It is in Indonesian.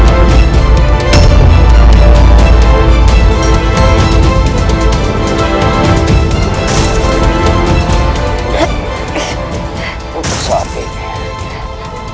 untuk saat ini